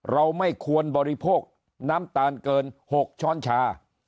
เราไม่ควรบริโภคน้ำตาลเกิน๖ช้อนชา